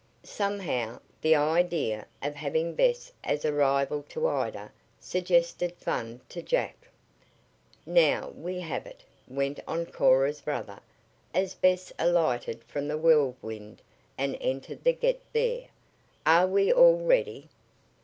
Somehow, the idea of having Bess as a rival to Ida suggested fun to Jack. "Now we have it," went on Cora's brother, as Bess alighted from the Whirlwind and entered the Get There. "Are we all ready?"